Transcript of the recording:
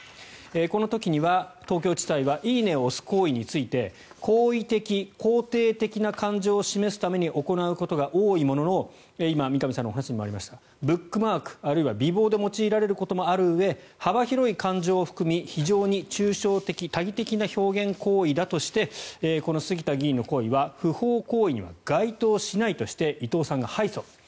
この時には東京地裁は「いいね」を押す行為について好意的・肯定的な感情を示すために行うことが多いものの今、三上さんのお話にもありました、ブックマークあるいは備忘で用いられることもあるうえ幅広い感情を含み非常に抽象的・多義的な表現行為だとしてこの杉田議員の行為は不法行為には該当しないとして伊藤さんが敗訴。